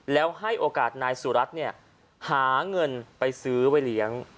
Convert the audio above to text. แล้วให้โอกาสนายสุรัตน์เนี่ยหาเงินไปซื้อไว้เลี้ยง